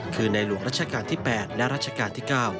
คือในหลวงรัชกาลที่๘และรัชกาลที่๙